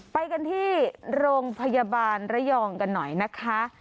ไปกันที่โรงพยาบาลระยองกันหน่อยนะคะ